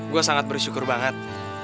gue sangat bersyukur banget